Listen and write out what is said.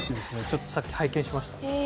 ちょっとさっき拝見しました。